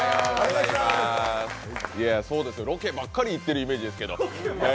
ロケばっかり行ってるイメージですけど。